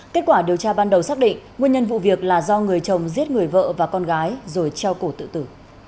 kết quả điều tra ban đầu xác định nguyên nhân vụ việc là do người chồng giết người vợ và con gái rồi treo cổ tự tử